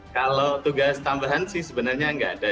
kalau tugas tambahan sih sebenarnya nggak ada